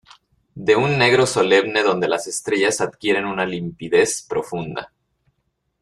de un negro solemne donde las estrellas adquieren una limpidez profunda.